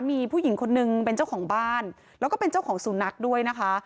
มีผู้หญิงคนนึงเป็นเจ้าของบ้านแล้วก็เป็นเจ้าของสุนัขด้วยนะคะ